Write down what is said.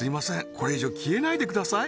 これ以上消えないでください